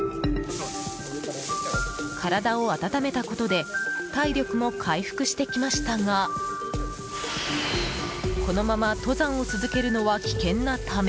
体を温めたことで体力も回復してきましたがこのまま登山を続けるのは危険なため。